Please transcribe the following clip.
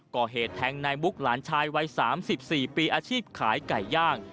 ก่อเหตุแทงนายมุกหลานชายวัย๓๔ปีอาชีพขายไก่ย่าง